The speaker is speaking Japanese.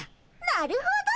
なるほど！